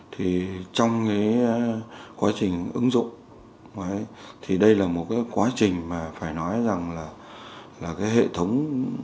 thì trong cái quá trình ứng dụng thì đây là một cái quá trình mà phải nói rằng là cái hệ thống